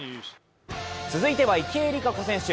続いては池江璃花子選手。